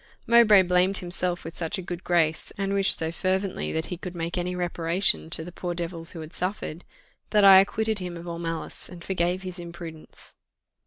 Mowbray blamed himself with such a good grace, and wished so fervently that he could make any reparation to "the poor devils who had suffered," that I acquitted him of all malice, and forgave his imprudence.